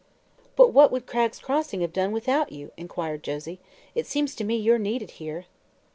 "But what could Cragg's Crossing have done without you?" inquired Josie. "It seems to me you're needed here."